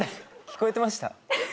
聞こえてました？